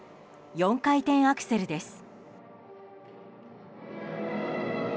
４回転アクセルです。